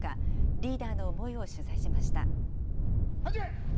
リーダーの思いを取材しました。